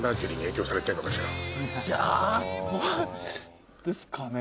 いやそうですかね。